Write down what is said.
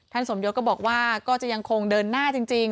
สมยศก็บอกว่าก็จะยังคงเดินหน้าจริง